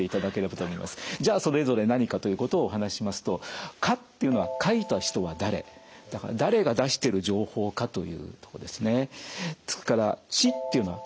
じゃあそれぞれ何かということをお話ししますとだから誰が出してる情報かというとこですね。